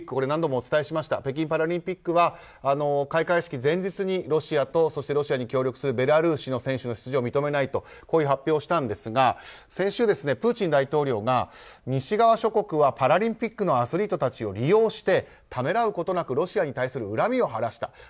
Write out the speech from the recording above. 何度もお伝えしましたが北京パラリンピックは開会式前日にロシアとそしてロシアに協力するベラルーシの選手の出場を認めないという発表をしたんですが先週、プーチン大統領が西側諸国はパラリンピックのアスリートたちを利用してためらうことなくロシアに対する恨みを晴らした。